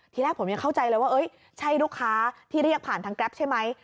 ทีแรกผมยังเข้าใจเลยว่าใช่ลูกค้าที่เรียกผ่านทางแกรปใช่ไหม